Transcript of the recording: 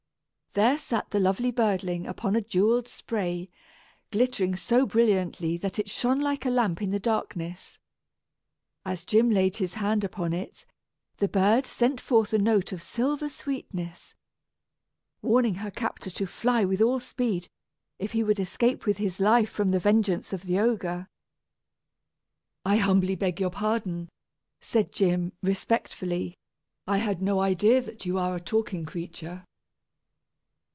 There sat the lovely birdling upon a jewelled spray, glittering so brilliantly that it shone like a lamp in the darkness. As Jim laid his hand upon it, the bird sent forth a note of silver sweetness, warning her captor to fly with all speed, if he would escape with his life from the vengeance of the ogre. "I humbly beg your pardon," said Jim, respectfully; "I had no idea that you are a talking creature."